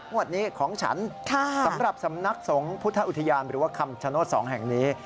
นี้ของฉันสำหรับสำนักสงฆ์พุทธอุทยานหรือว่าคำชโนธ๒แห่งนี้